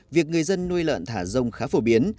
việc người dân nuôi lợn thả rông khá phổ biến